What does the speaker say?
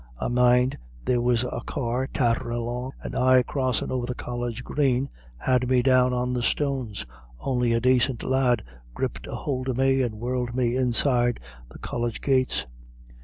I mind there was a car tatterin' along, and I crossin' over the College Green, had me down on the stones, on'y a dacint lad gript a hould of me, and whirled me inside the College gates.